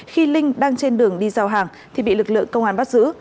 khi linh đang trên đường đi giao hàng thì bị lực lượng công an bắt giữ